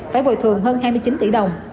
phải bồi thường hơn hai mươi chín tỷ đồng